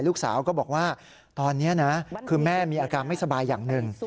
ลูกสาวก็บอกว่าตอนนี้นะคือแม่มีอาการไม่สบายอย่างหนึ่ง